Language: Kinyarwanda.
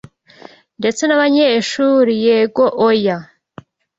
ndetse nabanyeshuri Yego Oya